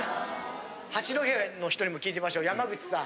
八戸の人にも聞いてみましょう山口さん。